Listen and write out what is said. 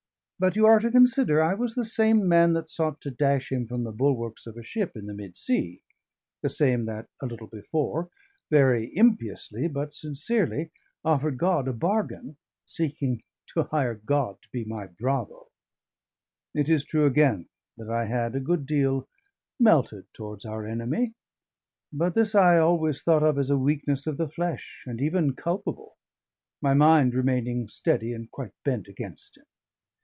But you are to consider I was the same man that sought to dash him from the bulwarks of a ship in the mid sea; the same that, a little before, very impiously but sincerely offered God a bargain, seeking to hire God to be my bravo. It is true again that I had a good deal melted towards our enemy. But this I always thought of as a weakness of the flesh, and even culpable; my mind remaining steady and quite bent against him.